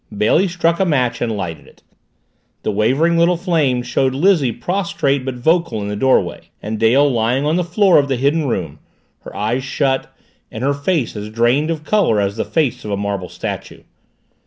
Bailey struck a match and lighted it. The wavering little flame showed Lizzie prostrate but vocal, in the doorway and Dale lying on the floor of the Hidden Room, her eyes shut, and her face as drained of color as the face of a marble statue.